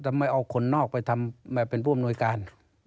ไม่เอาคนนอกไปทำมาเป็นผู้อำนวยการ